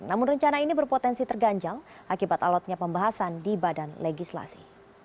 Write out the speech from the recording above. namun rencana ini berpotensi terganjal akibat alotnya pembahasan di badan legislasi